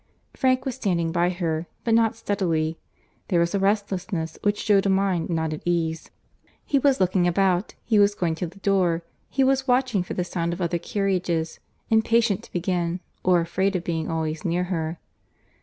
Frank was standing by her, but not steadily; there was a restlessness, which shewed a mind not at ease. He was looking about, he was going to the door, he was watching for the sound of other carriages,—impatient to begin, or afraid of being always near her.